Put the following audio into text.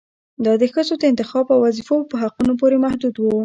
دا د ښځو د انتخاب او وظيفو په حقونو پورې محدود و